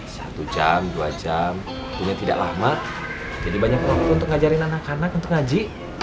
satu jam dua jam punya tidak lama jadi banyak waktu untuk ngajarin anak anak untuk ngaji